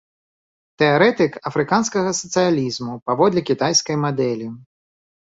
Тэарэтык афрыканскага сацыялізму паводле кітайскай мадэлі.